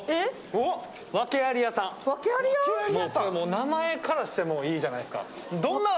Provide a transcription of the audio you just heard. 名前からしてもういいじゃないですか。